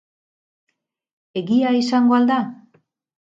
Egia izango al da?